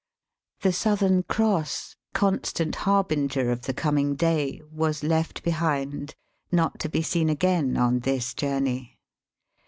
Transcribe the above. The Southern Cross, constant harbinger of the coming dayj. was left behind, not to be seen again on this journey.